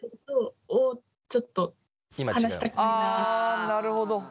ああなるほど。